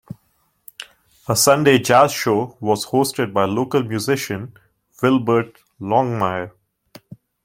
A Sunday jazz show was hosted by local musician Wilbert Longmire.